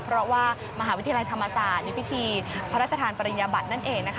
เพราะว่ามหาวิทยาลัยธรรมศาสตร์มีพิธีพระราชทานปริญญาบัตินั่นเองนะคะ